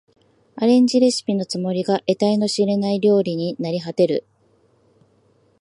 アレンジレシピのつもりが得体の知れない料理になりはてる